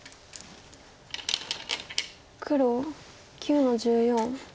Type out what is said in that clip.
黒９の十四。